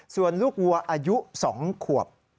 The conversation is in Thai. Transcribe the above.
ส่วนลูกวัวอายุ๒ขวบ